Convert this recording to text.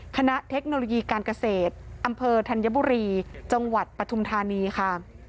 เทคโนโลยีการเกษตรอำเภอธัญบุรีจังหวัดปฐุมธานีค่ะ